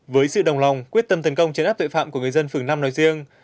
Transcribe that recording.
với sự đồng lòng quyết tâm tấn công trên áp tuệ phạm của người dân phường năm nói riêng